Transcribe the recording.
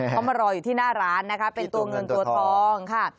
เขามารออยู่ที่หน้าร้านนะคะเป็นตัวเงินตัวทองค่ะ